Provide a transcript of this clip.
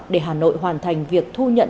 để hà nội hoàn thành việc thu nhận